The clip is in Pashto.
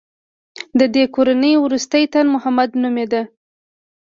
د دې کورنۍ وروستی تن محمد نومېده.